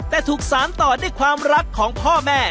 แต่ถูกสารต่อด้วยความรักของพ่อแม่